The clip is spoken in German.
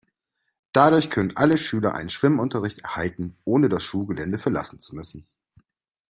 Dadurch können alle Schüler einen Schwimmunterricht erhalten, ohne das Schulgelände verlassen zu müssen.